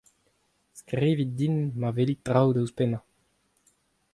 Skrivit din ma welit traoù da ouzhpennañ.